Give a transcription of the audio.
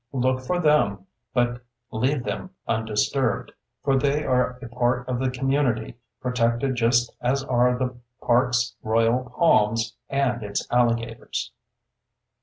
Look for them—but leave them undisturbed, for they are a part of the community, protected just as are the park's royal palms and its alligators.